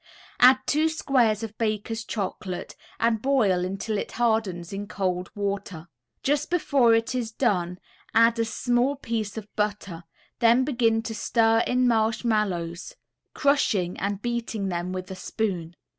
Add two squares of Baker's Chocolate, and boil until it hardens in cold water. Just before it is done add a small piece of butter, then begin to stir in marshmallows, crushing and beating them with a spoon.